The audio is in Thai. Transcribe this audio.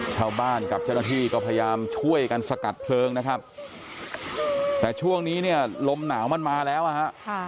ชาวบ้านกับเจ้าหน้าที่ก็พยายามช่วยกันสกัดเพลิงนะครับแต่ช่วงนี้เนี่ยลมหนาวมันมาแล้วอ่ะฮะ